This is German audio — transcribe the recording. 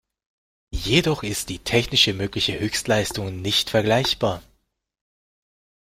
Jedoch ist die technisch mögliche Höchstleistung nicht vergleichbar.